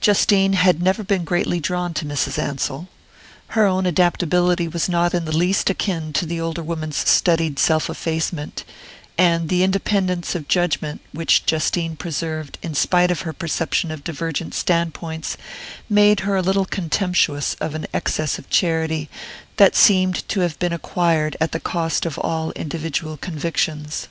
Justine had never been greatly drawn to Mrs. Ansell. Her own adaptability was not in the least akin to the older woman's studied self effacement; and the independence of judgment which Justine preserved in spite of her perception of divergent standpoints made her a little contemptuous of an excess of charity that seemed to have been acquired at the cost of all individual convictions.